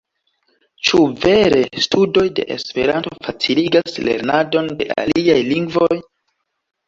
Ĉu vere studoj de Esperanto faciligas lernadon de aliaj lingvoj?